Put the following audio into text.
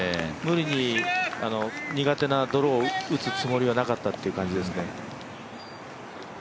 無理に苦手なドローを打つつもりはなかったということですね。